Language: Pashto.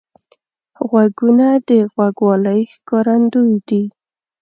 غوږونه د غوږوالۍ ښکارندوی دي